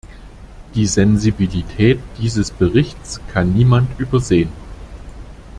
Die Sensibilität dieses Berichts kann niemand übersehen.